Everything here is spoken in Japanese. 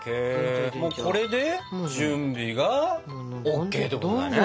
もうこれで準備がＯＫってことだね。